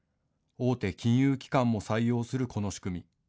大手金融機関も採用するこの仕組み。